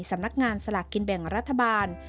สำนักงานสลากกินแบ่งรัฐบาล